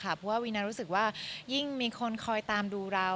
เพราะว่าวีนารู้สึกว่ายิ่งมีคนคอยตามดูเรา